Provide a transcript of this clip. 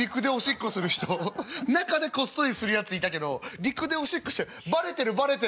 中でこっそりするやついたけど陸でおしっこしてバレてるバレてる。